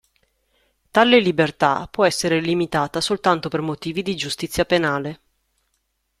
Tale libertà può essere limitata soltanto per motivi di giustizia penale.